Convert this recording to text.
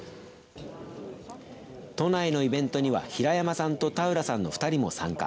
都内のイベントには平山さんと田浦さんの２人も参加。